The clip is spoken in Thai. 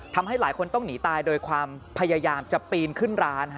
ทำให้หลายคนต้องหนีตายโดยความพยายามจะปีนขึ้นร้าน